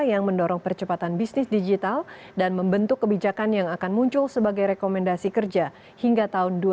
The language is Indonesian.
yang mendorong percepatan bisnis digital dan membentuk kebijakan yang akan muncul sebagai rekomendasi kerja hingga tahun dua ribu dua puluh